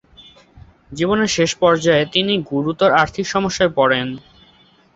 জীবনের শেষ পর্যায়ে তিনি গুরুতর আর্থিক সমস্যায় পড়েন।